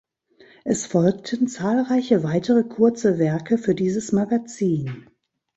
Es folgten zahlreiche weitere kurze Werke für dieses Magazin.